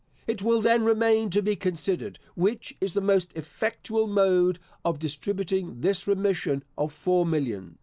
It will then remain to be considered, which is the most effectual mode of distributing this remission of four millions.